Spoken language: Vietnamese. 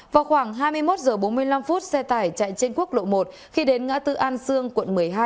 vào khoảng hai mươi một h bốn mươi năm xe tải chạy trên quốc lộ một khi đến ngã tư an sương quận một mươi hai